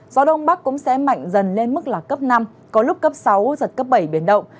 gió đông bắc cũng sẽ mạnh dần lên mức là cấp năm có lúc cấp sáu giật cấp bảy biển động